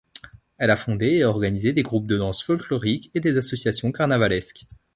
Elle a fondé et organisé des groupes de danses folkloriques et des associations carnavalesques.